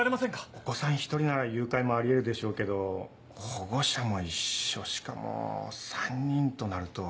お子さん１人なら誘拐もあり得るでしょうけど保護者も一緒しかも３人となると。